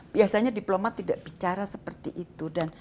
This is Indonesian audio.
biasanya diplomat tidak bicara seperti itu dan